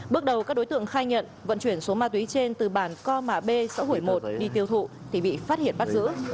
bước đầu các đối tượng khai nhận vận chuyển số ma túy trên từ bản co mạ b xã hủy một đi tiêu thụ thì bị phát hiện bắt giữ